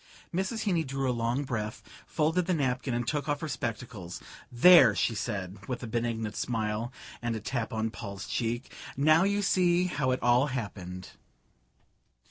'" Mrs. Heeny drew a long breath, folded the paper and took off her spectacles. "There," she said, with a benignant smile and a tap on Paul's cheek, "now you see how it all happened...."